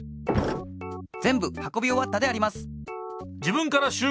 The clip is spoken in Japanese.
ぜんぶはこびおわったであります。